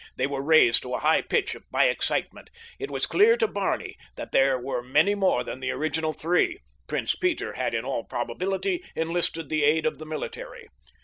They were raised to a high pitch by excitement. It was clear to Barney that there were many more than the original three—Prince Peter had, in all probability, enlisted the aid of the military.